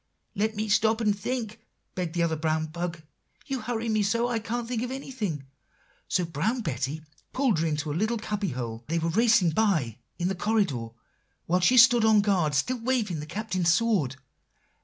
"'Let me stop and think,' begged the other brown bug; 'you hurry me so I can't think of anything.' So Brown Betty pulled her into a little cubby hole, they were racing by, in the corridor, while she stood on guard, still waving the Captain's sword.